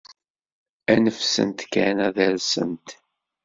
Anef-sent kan ad rsent.